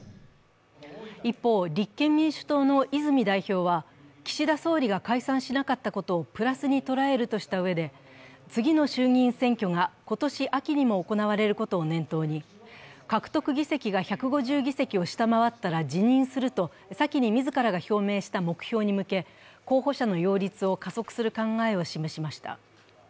一方、立憲民主党の泉代表は岸田総理が解散しなかったことをプラスに捉えるとしたうえで、次の衆議院選挙が今年秋にも行われることを念頭に、獲得議席が１５０議席を下回ったら辞任すると先に自らが表明した目標に向け候補者の擁立を加速する考えを示しました。